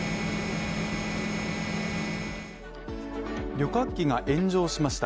旅客機が炎上しました